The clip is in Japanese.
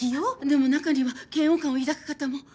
でも中には嫌悪感を抱く方も。